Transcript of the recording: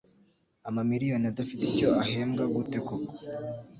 Amamiriyoni adafite icyo ahembwa gute koko